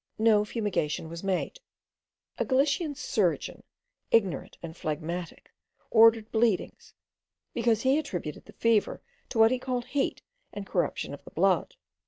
No fumigation was made. A Gallician surgeon, ignorant and phlegmatic, ordered bleedings, because he attributed the fever to what he called heat and corruption of the blood.